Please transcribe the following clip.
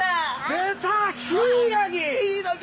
出たヒイラギ！